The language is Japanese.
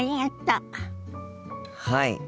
はい。